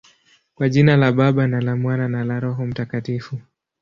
Kwa jina la Baba, na la Mwana, na la Roho Mtakatifu.